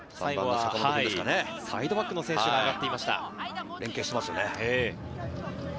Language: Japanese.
サイドバックの選手が上がっていました。